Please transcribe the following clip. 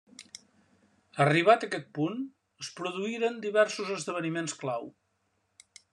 Arribat aquest punt, es produïren diversos esdeveniments clau.